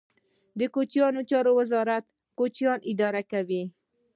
د کوچیانو چارو ریاست کوچیان اداره کوي